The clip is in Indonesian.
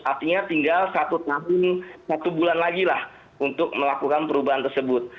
artinya tinggal satu tahun satu bulan lagi lah untuk melakukan perubahan tersebut